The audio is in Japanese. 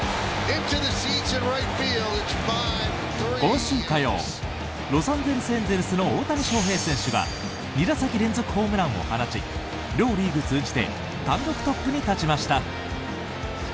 今週火曜ロサンゼルス・エンゼルスの大谷翔平選手が２打席連続ホームランを放ち両リーグ通じて単独トップに立ちました。